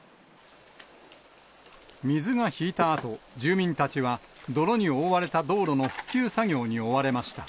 水が引いたあと、住民たちは泥に覆われた道路の復旧作業に追われました。